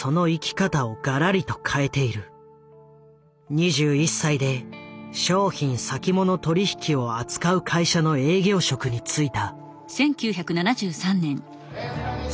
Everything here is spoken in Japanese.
２１歳で商品先物取引を扱う会社の営業職に就いた。